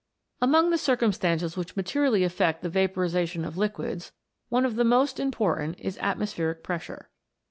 * Among the circumstances which materially affect the vaporization of liquids, one of the most im portant is atmospheric pressure.